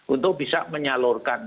untuk bisa menyalurkan